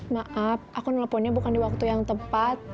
maaf aku nelponnya bukan di waktu yang tepat